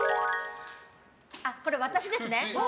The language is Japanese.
これ私ですね。